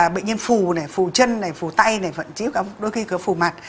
bệnh nhân phù này phù chân này phù tay này đôi khi cứ phù mặt